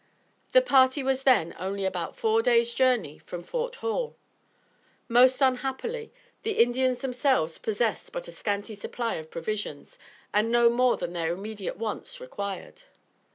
The party was then only about four days' journey from Fort Hall. Most unhappily, the Indians themselves possessed but a scanty supply of provisions, and no more than their immediate wants required.